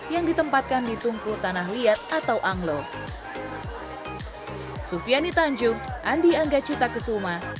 yang ditempatkan di tungku tanah liat atau anglo